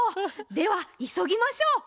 ではいそぎましょう。